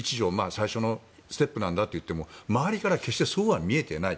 最初のステップなんだと言っても周りから決してそうは見えていない。